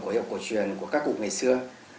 của hiệu cổ truyền của các cụ ngày xưa